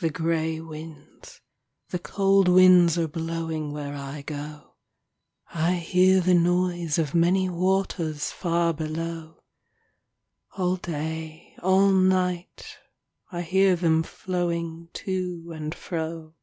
The grey winds, the cold winds are blowing Where I go. I hear the noise of many waters Far below. All day, all night, I hear them flowing To and fro.